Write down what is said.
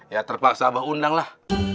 ya terpaksa abah undang lah